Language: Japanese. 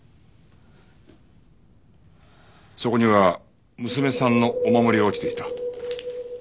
そこには娘さんのお守りが落ちていた。